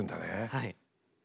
はい。